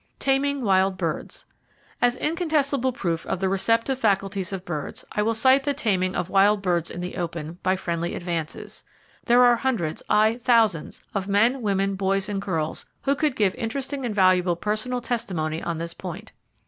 Taming Wild Birds. —As incontestable proof of the receptive faculties of birds, I will cite the taming of wild birds in the open, by friendly advances. There are hundreds, aye, thousands, of men, women, boys and girls who could give interesting and valuable personal testimony on this point.